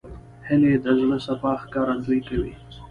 هیلۍ د زړه صفا ښکارندویي کوي